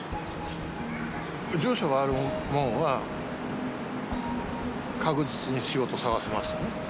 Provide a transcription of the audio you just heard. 住所があるもんは、確実に仕事、探せますよね。